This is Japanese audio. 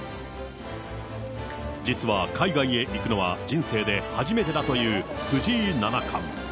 実は海外へ行くのは人生で初めてだという藤井七冠。